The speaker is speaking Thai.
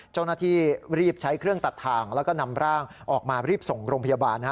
เจ้าหน้าที่รีบใช้เครื่องตัดทางแล้วก็นำร่างออกมารีบส่งโรงพยาบาล